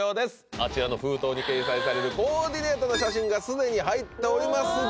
あちらの封筒に掲載されるコーディネートの写真が既に入っております